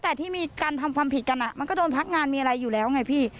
แต่ที่มีการทำความผิดกันมันก็โดนพักงานมีอะไรอยู่แล้วไงพี่